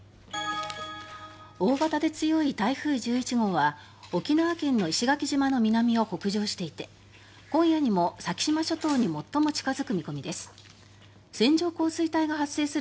大型で強い台風１１号は沖縄の石垣島の南を北上していて今夜にも先島諸島に最も近付く見込みです。